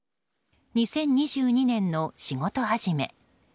２０２２年の仕事始め。